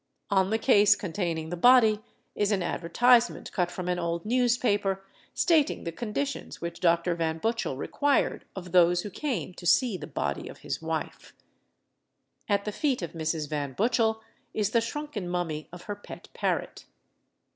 On the case containing the body is an advertisement cut from an old newspaper, stating the conditions which Dr. Van Butchell required of those who came to see the body of his wife. At the feet of Mrs. Van Butchell is the shrunken mummy of her pet parrot.